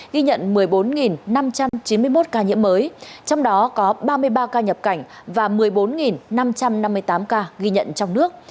ghi nhận một mươi bốn năm trăm chín mươi một ca nhiễm mới trong đó có ba mươi ba ca nhập cảnh và một mươi bốn năm trăm năm mươi tám ca ghi nhận trong nước